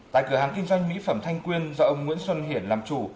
tại cửa hàng kinh doanh mỹ phẩm thanh quyên do ông nguyễn xuân hiển làm chủ